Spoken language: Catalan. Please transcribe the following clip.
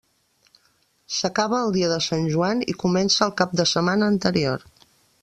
S'acaba el dia de Sant Joan i comença el cap de setmana anterior.